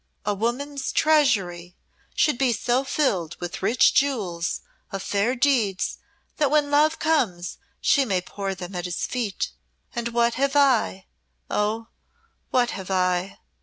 A woman's treasury should be so filled with rich jewels of fair deeds that when Love comes she may pour them at his feet. And what have I oh, what have I?"